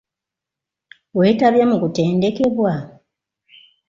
Weetabye mu kutendekebwa?